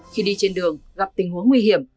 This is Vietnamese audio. khi đi trên đường gặp tình huống nguy hiểm